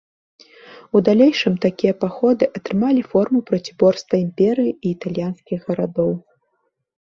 У далейшым такія паходы атрымалі форму проціборства імперыі і італьянскіх гарадоў.